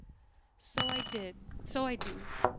"So I did. So I do.